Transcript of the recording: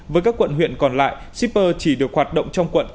với các quận huyện còn lại shipper chỉ được hoạt động trong quận